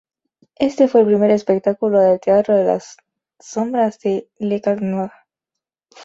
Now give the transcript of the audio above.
Este fue el primer espectáculo del Teatro de Sombras de "Le Chat Noir".